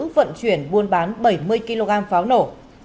vận chuyển buôn bán bảy mươi kg pháo nổ